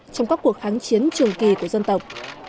trong các cuộc kháng chiến trường kỳ của dân tộc